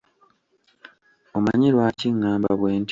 Omanyi Lwaki ngamba bwentyo?